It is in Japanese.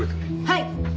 はい！